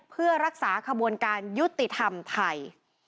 เพื่อรักษาขบวนการยุติธรรมไทย